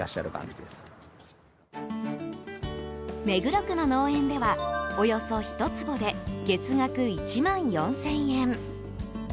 目黒区の農園ではおよそ１坪で月額１万４０００円。